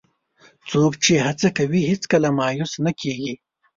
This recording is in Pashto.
څوک چې هڅه کوي، هیڅکله مایوس نه کېږي.